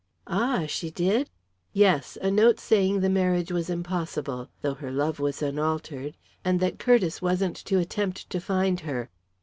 "Ah she did?" "Yes a note saying the marriage was impossible, though her love was unaltered, and that Curtiss wasn't to attempt to find her."